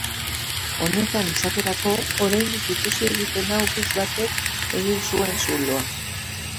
Honetan, esaterako, oraindik ikusi egiten da obus batek egin zuen zuloa.